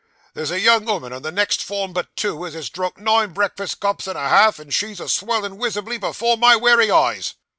There's a young 'ooman on the next form but two, as has drunk nine breakfast cups and a half; and she's a swellin' wisibly before my wery eyes.